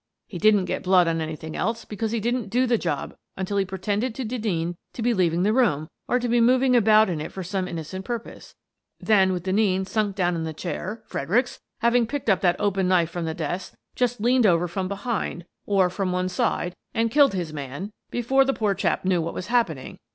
He didn't get blood on anything else, because he didn't do the job until he pretended to Denneen to be leaving the room, or to be moving about in it for some innocent purpose. Then, with Denneen sunk down in the chair, Fredericks — having picked up that open knife from the desk — just leaned over from behind, or from one side, and killed his man, 122 Miss Frances Baird, Detective before the poor chap knew what was happening.